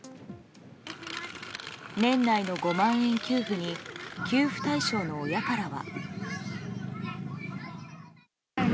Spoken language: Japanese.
年内の５万円給付に給付対象の親からは。